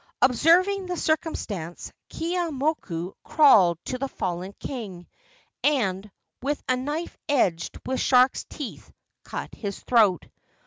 Observing the circumstance, Keeaumoku crawled to the fallen king, and, with a knife edged with sharks' teeth, cut his throat.